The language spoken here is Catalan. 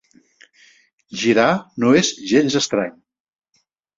Girar no és gens estrany.